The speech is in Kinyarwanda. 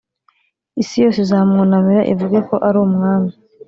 Isi yose izamwunamira ivuge ko ari umwami